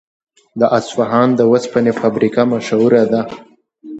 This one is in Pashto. د اصفهان د وسپنې فابریکه مشهوره ده.